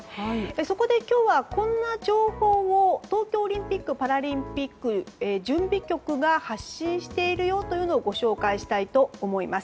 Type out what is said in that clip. そこで、今日はこんな情報を東京オリンピック・パラリンピック準備局が発信しているというのをご紹介したいと思います。